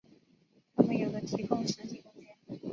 它们有的提供实体空间。